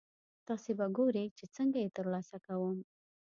تاسې به ګورئ چې څنګه یې ترلاسه کوم.